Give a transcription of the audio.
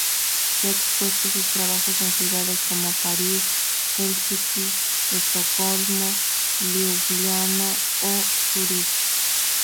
Se han expuesto sus trabajos en ciudades como París, Helsinki, Estocolmo, Liubliana o Zurich.